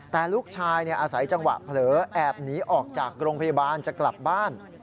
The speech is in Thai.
แต่ลูกชายอาศัยจังหวะเผลอแอบหนีออกจากโรงพยาบาลจะกลับบ้าน